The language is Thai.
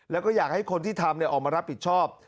แล้วก็อยากให้คนที่ทำออกมารับผิดชอบ